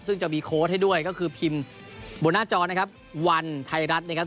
ซึ่งจะมีโค้ดให้ด้วยก็คือพิมพ์บนหน้าจอนะครับวันไทยรัฐนะครับ